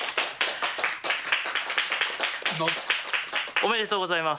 おめでとうございます。